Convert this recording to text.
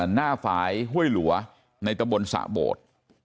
หน้าฝ่ายห้วยหลัวในตะบนสะโบด